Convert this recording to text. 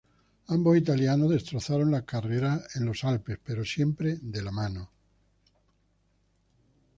Ambos italianos destrozaron la carrera en los Alpes, pero siempre "de la mano".